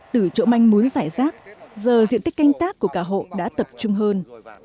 từ chỗ manh muốn giải rác giờ diện tích canh tác của cả hộ đã tập trung hơn